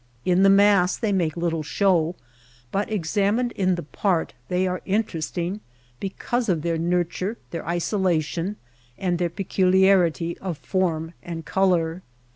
In the mass they make little show, but examined in the part they are interesting because of their nurture, their isolation, and their peculiarity of form and color.